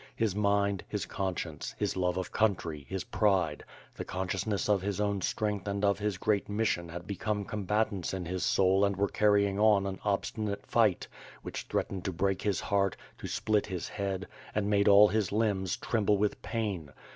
His mind, his conscience, his love of country, his pride, the consciousness of his own strength and of his great mission had become combatants in his soul and were carrying on an obstinate fight, which th.eatened to break his heart, to split his head, and made all his limbs tremble with pain.